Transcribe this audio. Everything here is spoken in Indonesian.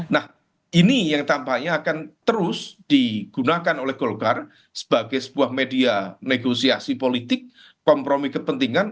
nah ini yang tampaknya akan terus digunakan oleh golkar sebagai sebuah media negosiasi politik kompromi kepentingan